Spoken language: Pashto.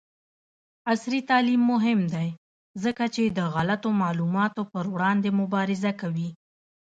عصري تعلیم مهم دی ځکه چې د غلطو معلوماتو پر وړاندې مبارزه کوي.